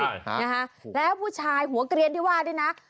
คือชิดในอ่ะพี่แล้วผู้ชายหัวเกรียญที่ว่าด้วยนะ